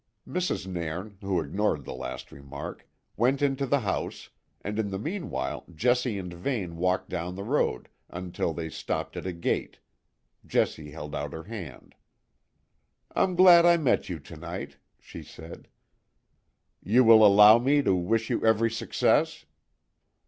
Mrs. Nairn, who ignored the last remark, went into the house, and in the meanwhile Jessie and Vane walked down the road until they stopped at a gate, Jessie held out her hand. "I'm glad I met you to night," she said. "You will allow me to wish you every success?"